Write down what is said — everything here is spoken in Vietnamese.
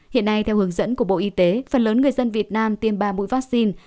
hiện nay theo hướng dẫn của bộ y tế phần lớn người dân việt nam tiêm ba mũi vaccine